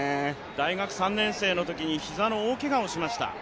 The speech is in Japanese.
大学３年生のときに膝の大けがをしました。